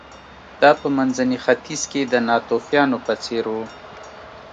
دا په منځني ختیځ کې د ناتوفیانو په څېر و